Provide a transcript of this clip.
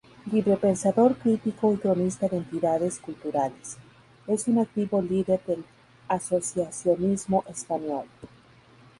Librepensador crítico y cronista de entidades culturales, es un activo líder del asociacionismo español.